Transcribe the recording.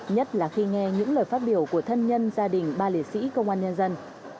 nhất là khi nghe những lời phát biểu của thân nhân gia đình ba liệt sĩ công an nhân dân